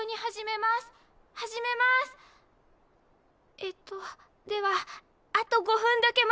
えとではあと５分だけ待ちます。